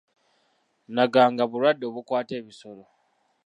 Naganga bulwadde obukwata ebisolo.